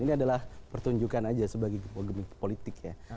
ini adalah pertunjukan aja sebagai politik ya